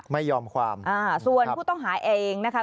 ไม่ยอมความอ่าส่วนผู้ต้องหาเองนะคะ